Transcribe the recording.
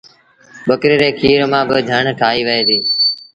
ٻڪريٚ ري کير مآݩ با جھڻ ٺآهيٚ وهي ديٚ۔